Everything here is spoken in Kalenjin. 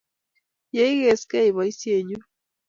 Ye igesgei boisennyu